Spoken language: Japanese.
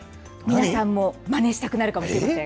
皆さんもまねしたくなるかもしれません。